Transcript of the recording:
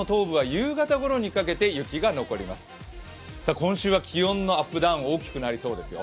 今週は気温のアップダウン、大きくなりそうですよ。